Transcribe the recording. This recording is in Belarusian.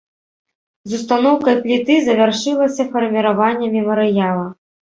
З устаноўкай пліты завяршылася фарміраванне мемарыяла.